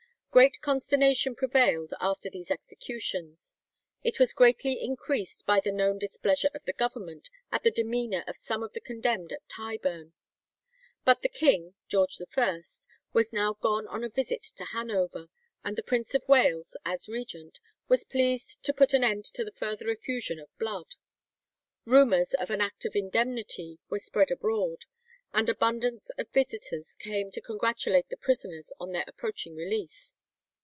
Great consternation prevailed after these executions. It was greatly increased by the known displeasure of the Government at the demeanour of some of the condemned at Tyburn. But the king (George I) was now gone on a visit to Hanover; and the Prince of Wales, as regent, was pleased to put an end to the further effusion of blood. Rumours of an Act of Indemnity were spread abroad, and abundance of visitors came to congratulate the prisoners on their approaching release.